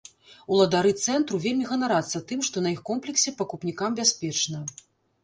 Уладары цэнтру вельмі ганарацца тым, што на іх комплексе пакупнікам бяспечна.